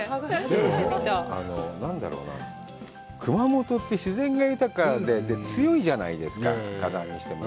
何だろうな、熊本って、自然が豊かで、強いじゃないですか、火山にしても。